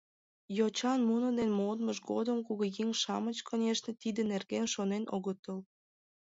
Йочан муно дене модмыж годым кугыеҥ-шамыч, конешне, тидын нерген шонен огытыл.